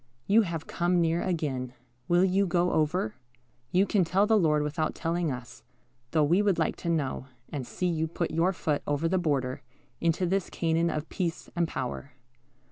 You have come near again. Will you go over? You can tell the Lord without telling us, though we would like to know, and see you put your foot over the border, into this Canaan of peace and power.